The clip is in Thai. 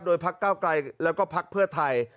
พักเก้าไกลแล้วก็พักเพื่อไทย